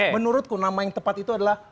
menurutku nama yang tepat itu adalah